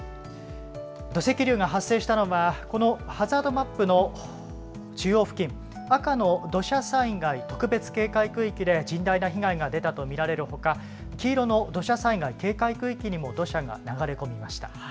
土石流が発生したのは、このハザードマップの中央付近、赤の土砂災害特別警戒区域で甚大な被害が出たと見られるほか、黄色の土砂災害警戒区域にも土砂が流れ込みました。